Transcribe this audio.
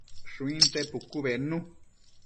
Shuinte pucu bednu